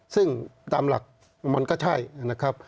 ซึ่งตามหลักมันก็ใช่นะครับ